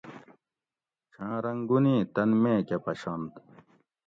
چھاں رنگونی تن میکہ پشنت